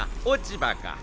落ち葉か。